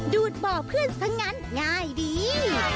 ดูดบ่อเพื่อนซะงั้นง่ายดี